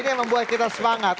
ini yang membuat kita semangat